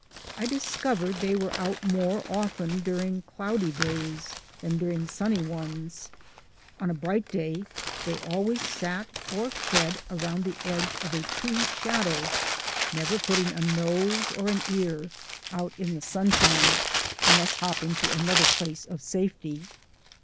I discovered they were out more often during cloudy days than during sunny ones. On a bright day they always sat or fed around the edge of a i 4 8 THE ADVENTURES OF A NATURE GUIDE tree shadow, never putting a nose or an ear out in the sunshine, unless hopping to another place of safety.